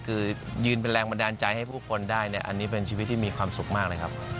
คือยืนเป็นแรงบันดาลใจให้ผู้คนได้เนี่ยอันนี้เป็นชีวิตที่มีความสุขมากเลยครับ